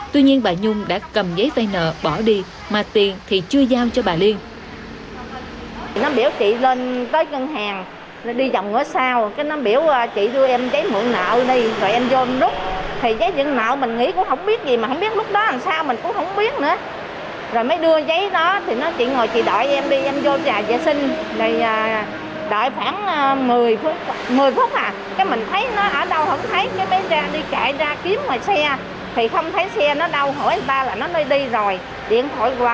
tuy nhiên bà nhung đã cầm giấy vay nợ bỏ đi mà tiền thì chưa giao cho bà liên